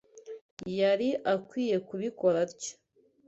Yari akwiye kubikora atyo.